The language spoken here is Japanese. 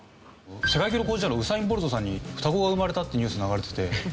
世界記録保持者のウサイン・ボルトさんに双子が生まれたってニュース流れてて。